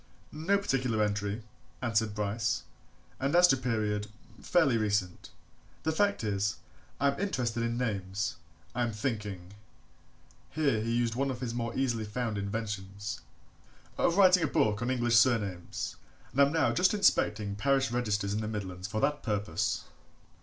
"No particular entry," answered Bryce, "and as to period fairly recent. The fact is, I am interested in names. I am thinking" here he used one more of his easily found inventions "of writing a book on English surnames, and am just now inspecting parish registers in the Midlands for that purpose."